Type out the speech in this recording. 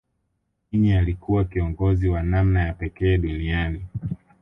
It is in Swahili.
mwinyi alikuwa kiongozi wa namna ya pekee duniani